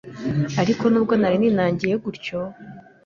Ariko nubwo nari ninangiye gutyo,